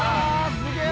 すげえ